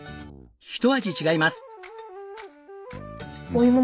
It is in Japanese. ひと味違います。